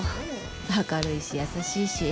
明るいし優しいし